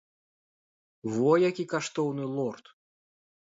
Во які каштоўны лорд!